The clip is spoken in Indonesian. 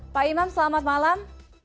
pak imam selamat malam